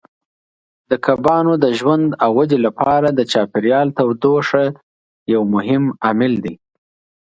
د کبانو د ژوند او ودې لپاره د چاپیریال تودوخه یو مهم عامل دی.